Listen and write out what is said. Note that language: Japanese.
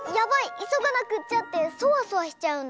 いそがなくっちゃ！」ってそわそわしちゃうんだ。